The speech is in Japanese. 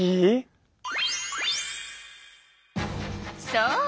そう！